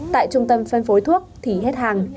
tại trung tâm phân phối thuốc thì hết hàng